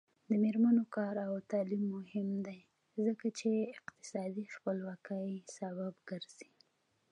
د میرمنو کار او تعلیم مهم دی ځکه چې اقتصادي خپلواکۍ سبب ګرځي.